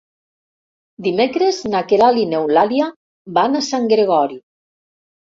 Dimecres na Queralt i n'Eulàlia van a Sant Gregori.